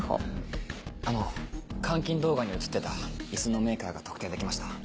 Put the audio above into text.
あの監禁動画に写ってた椅子のメーカーが特定できました。